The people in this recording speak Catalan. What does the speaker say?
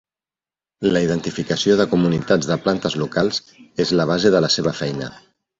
La identificació de comunitats de plantes locals és la base de la seva feina.